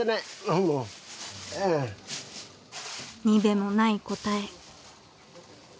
［にべもない答え］